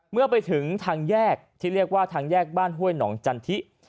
เมื่อไปถึงทางแยกที่เรียกว่าทางแยกบ้านห้วยหนองจันทิ